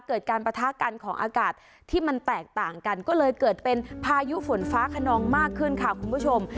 เกิดการปะทะกันของอากาศที่มันแตกต่างกันก็เลยเกิดเป็นพายุฝนฟ้าขนองมากขึ้นค่ะคุณผู้ชม